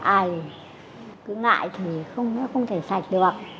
ai cứ ngại thì không thể sạch được